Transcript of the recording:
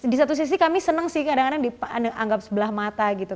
di satu sisi kami senang sih kadang kadang dianggap sebelah mata gitu